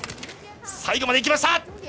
最後までいきました！